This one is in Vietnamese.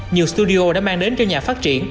nhiều studio đã mang đến cho nhà phát triển